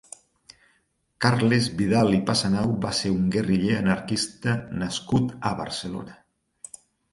Carles Vidal i Passanau va ser un guerriler anarquista nascut a Barcelona.